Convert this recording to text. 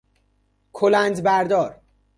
کلند بردار